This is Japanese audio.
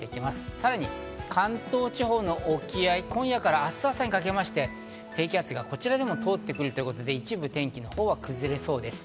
さらに関東地方の沖合、今夜から明日朝にかけて低気圧がこちらでも通ってくるとということで一部、天気のほうは崩れそうです。